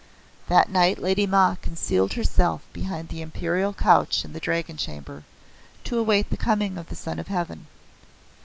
That night Lady Ma concealed herself behind the Imperial couch in the Dragon Chamber, to await the coming of the Son of Heaven.